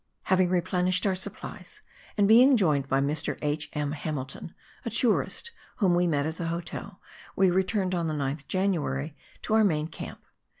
Having replenished our supplies, and being joined by Mr. H. M. Hamilton, a tourist whom we met at the hotel, we returned on the 9th January to our main camp.